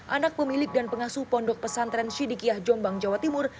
anak pemilik dan pengasuh pondok pesantren sidikiah jombang jawa timur